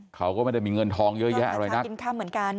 เขาก็มันก็ไม่ได้มีเงินทองเยอะแยะอะไรนะ